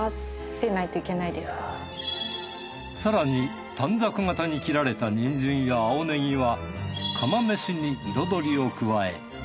更に短冊形に切られた人参や青ネギは釜飯に彩りを加え。